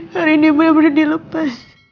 hari ini benar benar dilepas